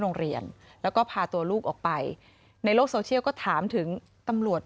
โรงเรียนแล้วก็พาตัวลูกออกไปในโลกโซเชียลก็ถามถึงตำรวจ